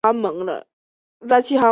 经常与友好学校互换交换生。